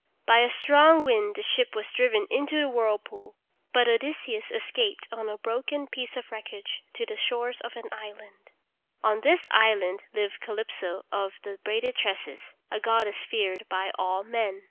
By a strong wind the ship was driven into this whirlpool, but Odysseus escaped on a broken piece of wreckage to the shores of an island. On this island lived Calypso of the braided tresses, a goddess feared by all men.